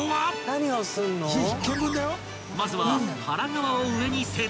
［まずは］